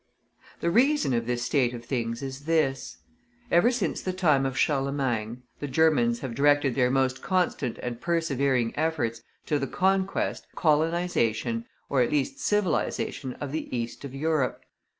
The reason of this state of things is this: ever since the time of Charlemagne, the Germans have directed their most constant and persevering efforts to the conquest, colonization, or, at least, civilization of the east of Europe.